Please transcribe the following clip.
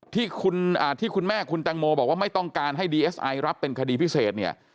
ที่คุณแม่คุณแตงโมบอกว่าไม่ต้องการให้ดีเอสไอรับเป็นคดีพิเศษเนี่ย